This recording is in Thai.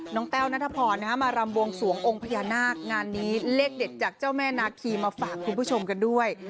แต้วนัทพรมารำบวงสวงองค์พญานาคงานนี้เลขเด็ดจากเจ้าแม่นาคีมาฝากคุณผู้ชมกันด้วย